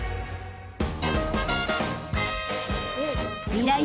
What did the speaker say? ［ミライ☆